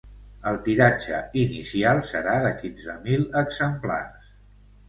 El tiratge inicial serà de quinze mil exemplars.